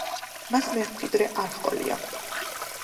მას მემკვიდრე არ ჰყოლია.